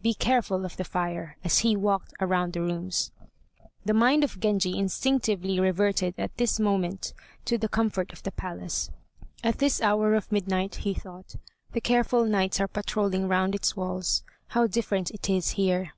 be careful of the fire!) as he walked round the rooms. The mind of Genji instinctively reverted at this moment to the comfort of the palace. "At this hour of midnight," he thought, "the careful knights are patrolling round its walls. How different it is here!"